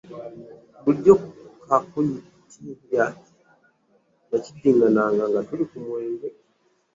Bulijjo kakutiya yakiddiŋŋananga nga tuli ku mwenge.